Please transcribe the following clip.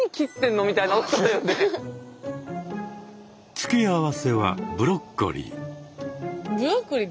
付け合わせはブロッコリー。